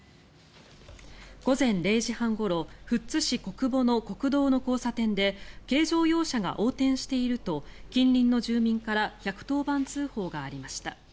午前０時半ごろ富津市小久保の国道の交差点で軽乗用車が横転していると近隣の住民から１１０番通報がありました。